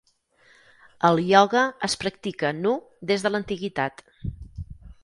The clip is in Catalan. El ioga es practica nu des de l'antiguitat.